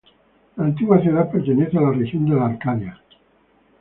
La antigua ciudad pertenecía a la región de Arcadia.